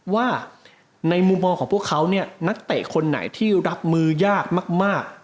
ว่าในมุมมองของพวกเขาเนี่ยนักเตะคนไหนที่รับมือยากมาก